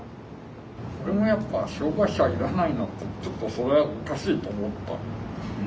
俺もやっぱ障害者はいらないのってちょっとそれはおかしいと思った。